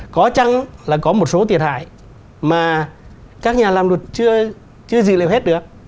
có chăng là có một số thiệt hại mà các nhà làm luật chưa gì liệu hết được